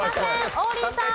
王林さん。